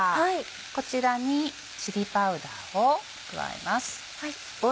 こちらにチリパウダーを加えます。